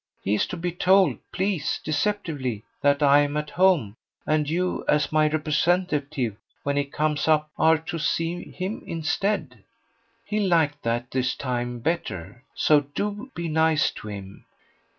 He's to be told, please, deceptively, that I'm at home, and you, as my representative, when he comes up, are to see him instead. He'll like that, this time, better. So do be nice to him."